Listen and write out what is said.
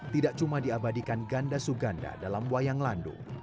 tidak cuma diabadikan ganda suganda dalam wayang landung